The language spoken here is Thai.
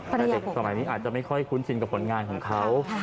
แต่เด็กสมัยนี้อาจจะไม่ค่อยคุ้นชินกับผลงานของเขา